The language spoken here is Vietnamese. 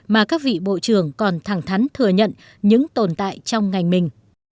mà các vị bộ trưởng còn thẳng thắn thừa nhận những tồn tại trong ngành mình